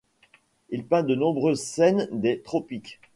Il peint de nombreuses scènes des tropiques.